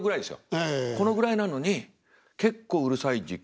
このぐらいなのに結構うるさい実況。